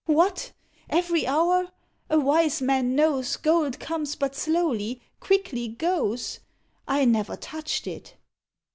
"What! every hour? a wise man knows Gold comes but slowly, quickly goes; I never touched it."